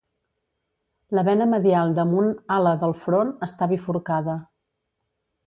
La vena medial damunt ala del front està bifurcada.